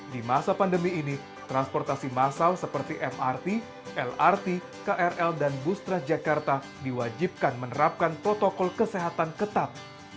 di masa pandemi ini transportasi massal seperti mrt lrt krl dan bustra jakarta diwajibkan menerapkan protokol kesehatan ketat